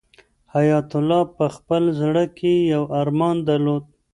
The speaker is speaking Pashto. حیات الله په خپل زړه کې یو ارمان درلود.